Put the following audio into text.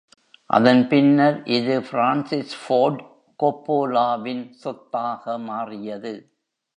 அதன் பின்னர் இது பிரான்சிஸ் ஃபோர்டு கொப்போலாவின் சொத்தாக மாறியது.